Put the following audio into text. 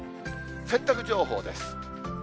洗濯情報です。